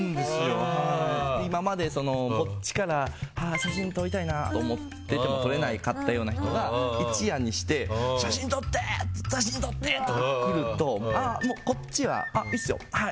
今まで、こっちから写真撮りたいなって思ってても撮れなかったような人が一夜にして、写真撮って写真撮ってって来るともうこっちは、いいすよはい！